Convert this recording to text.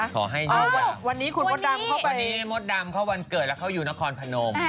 ขอให้ดีวันนี้คุณมดดำเข้าไปนี่มดดำเข้าวันเกิดแล้วเขาอยู่นครพนม